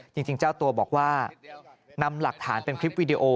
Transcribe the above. จริงเจ้าตัวบอกว่านำหลักฐานเป็นคลิปวีดีโอ